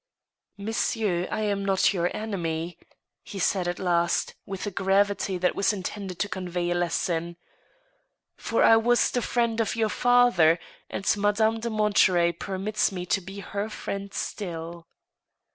" Monsieur, I am not your enemy," he said at last, with a gravity that was intended to convey a lesson, "for I was the friend of your father, and Madame de Monterey permits me to be her friend still."